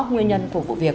nguyên nhân của vụ việc